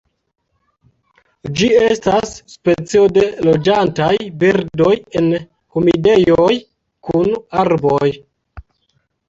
Ĝi estas specio de loĝantaj birdoj en humidejoj kun arboj.